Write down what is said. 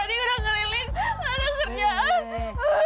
bisa apa aja kerjanya